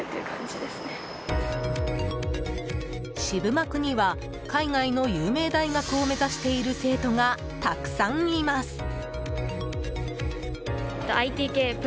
渋幕には海外の有名大学を目指している生徒がたくさんいます。